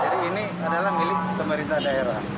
jadi ini adalah milik pemerintah daerah